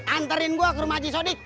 anterin gue ke rumah haji sodik